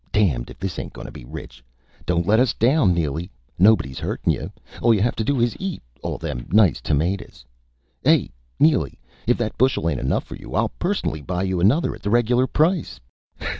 Damned if this ain't gonna be rich! Don't let us down, Neely! Nobody's hurtin' yuh. All you have to do is eat all them nice tamadas.... Hey, Neely if that bushel ain't enough for you, I'll personally buy you another, at the reg'lar price.